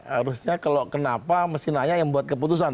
harusnya kalau kenapa mesti nanya yang buat keputusan